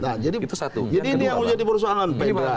nah jadi ini yang menjadi persoalan